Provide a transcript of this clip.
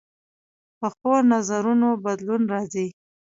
پخو نظرونو بدلون راځي